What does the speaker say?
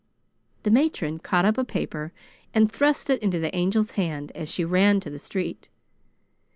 The matron caught up a paper and thrust it into the Angel's hand as she ran to the street.